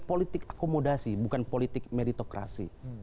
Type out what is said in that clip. politik akomodasi bukan politik meritokrasi